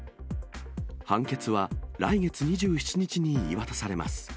判決は来月２７日に言い渡されます。